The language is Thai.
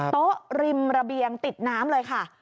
ริมระเบียงติดน้ำเลยค่ะ